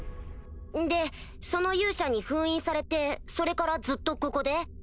でその勇者に封印されてそれからずっとここで？